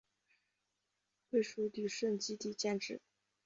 归属旅顺基地建制。